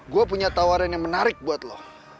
gue punya tawaran yang menarik buat lo